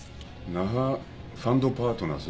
「那覇ファンドパートナーズ」？